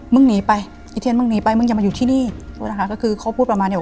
หนีไปอีเทียนมึงหนีไปมึงอย่ามาอยู่ที่นี่พูดนะคะก็คือเขาพูดประมาณเนี้ย